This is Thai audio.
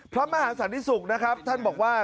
พระมหาสันติศุกร์นะครับท่านบอกว่า